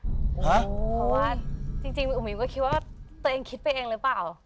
เพราะว่าจริงอุ๋ยก็คิดว่าตัวเองคิดไปเองหรือเปล่า